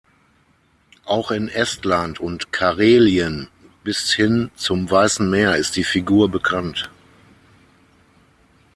Auch in Estland und Karelien bis hin zum Weißen Meer ist die Figur bekannt.